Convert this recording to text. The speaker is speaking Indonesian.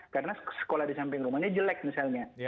karena sekolah di samping rumahnya jelek misalnya